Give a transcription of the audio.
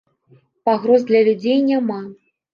Пагроз для людзей няма.